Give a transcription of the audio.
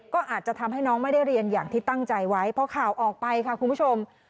ก็อาจจะทำให้น้องไม่ได้เรียนอย่างที่ตั้งใจไว้เพราะข่าวออกไปค่ะคุณผู้ชม